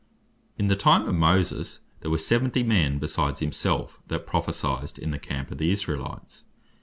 In the time of Moses, there were seventy men besides himself, that Prophecyed in the Campe of the Israelites.